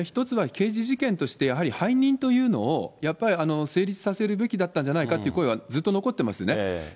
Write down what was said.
１つは刑事事件としてやはり背任というのを、やっぱり成立させるべきだったんじゃないかという声はずっと残っていますよね。